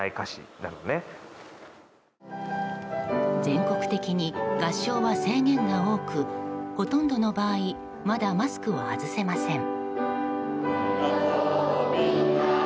全国的に合唱は制限が多くほとんどの場合まだマスクを外せません。